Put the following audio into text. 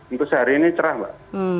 untuk sehari ini cerah mbak